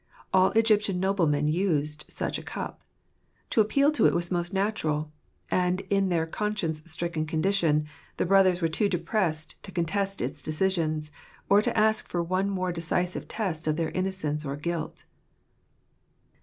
All Egyptian noblemen used such a cup. To appeal to it was most natural ; and in their conscience stricken condition, the brothers were too depressed to ■contest its decisions, or to ask for one more decisive test of their innocence or guilt.